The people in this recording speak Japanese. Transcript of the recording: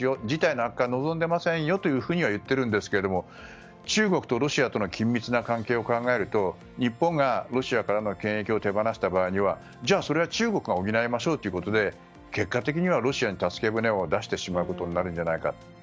事態の悪化は望んでませんよとは言っているんですけれども中国とロシアとの緊密な関係を考えると日本がロシアからの権益を手放した場合にはじゃあそれは中国が補いましょうということで結果的にはロシアに助け舟を出してしまうことになるんじゃないか。